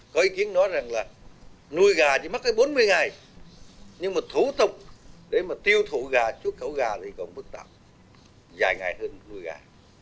có ý kiến nói rằng là nuôi gà chỉ mất tới bốn mươi ngày nhưng mà thủ tục để mà tiêu thụ gà xuất khẩu gà thì còn phức tạp dài ngày hơn nuôi gà